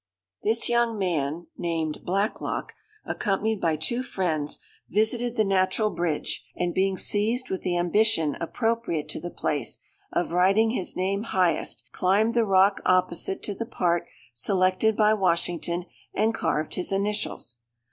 "This young man, named Blacklock, accompanied by two friends, visited the Natural Bridge; and, being seized with the ambition appropriate to the place, of writing his name highest, climbed the rock opposite to the part selected by Washington, and carved his initials.